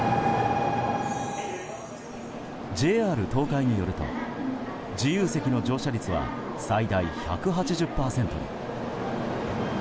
ＪＲ東海によると自由席の乗車率は最大１８０％。